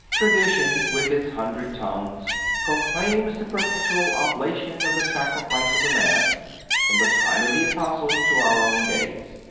(401) Tradition, with its hundred tongues, proclaims the perpetual oblation of the Sacrifice of the Mass, from the time of the Apostles to our own days.